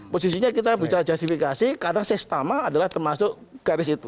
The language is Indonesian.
posisinya kita bisa jasifikasi karena sesama adalah termasuk garis itu